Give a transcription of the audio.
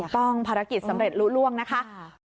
ถูกต้องภารกิจสำเร็จรู้ร่วงนะคะค่ะ